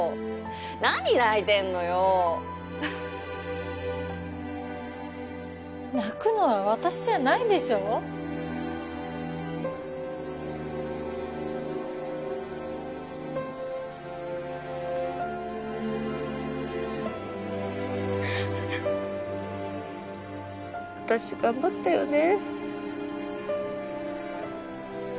何泣いてんのよ泣くのは私じゃないでしょ私頑張ったよね